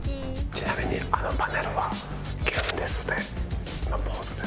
ちなみにあのパネルは「キュンです」のポーズです。